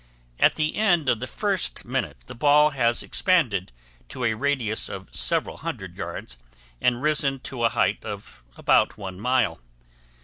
At the end of the first minute the ball has expanded to a radius of several hundred yards and risen to a height of about one mile.